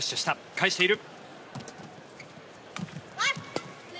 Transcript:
返している。